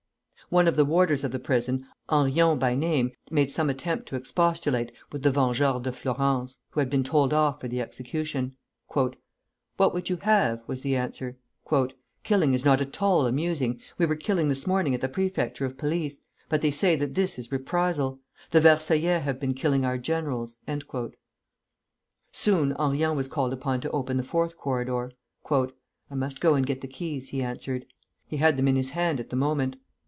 One of the warders of the prison, Henrion by name, made some attempt to expostulate with the Vengeurs de Flourens, who had been told off for the execution. "What would you have?" was the answer. "Killing is not at all amusing. We were killing this morning at the Prefecture of Police. But they say this is reprisal. The Versaillais have been killing our generals." Soon Henrion was called upon to open the fourth corridor. "I must go and get the keys," he answered. He had them in his hand at the moment.